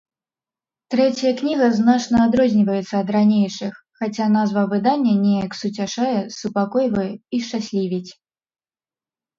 Трэцяя кніга значна адрозніваецца ад ранейшых, хаця назва выдання неяк суцяшае, супакойвае і шчаслівіць.